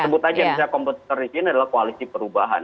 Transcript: sebut aja misalnya komputer di sini adalah koalisi perubahan